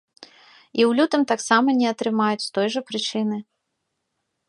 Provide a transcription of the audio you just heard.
І ў лютым таксама не атрымаюць з той жа прычыны.